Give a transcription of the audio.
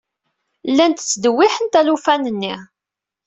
Llant ttdewwiḥent alufan-nni.